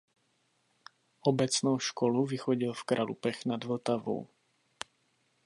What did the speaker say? Obecnou školu vychodil v Kralupech nad Vltavou.